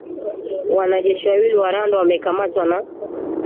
wanajeshi wawili wa Rwanda wamekamatwa na